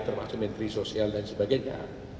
termasuk menteri sosial dan sebagainya